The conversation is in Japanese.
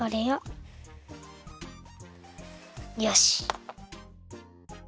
よし！